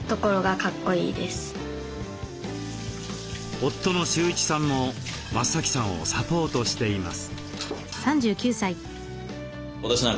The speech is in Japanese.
夫の秀一さんも増さんをサポートしています。